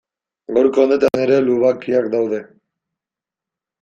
Gaurko honetan ere lubakiak daude.